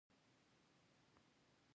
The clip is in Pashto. د شولو پولې باید څوک وریبي؟